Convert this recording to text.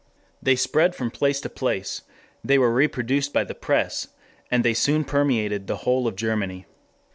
They spread from place to place, they were reproduced by the press, and they soon permeated the whole of Germany.